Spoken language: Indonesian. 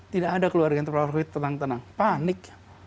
tidak ada keluarga yang terpapar covid tenang tenang panik